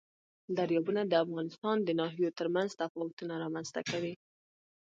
دریابونه د افغانستان د ناحیو ترمنځ تفاوتونه رامنځ ته کوي.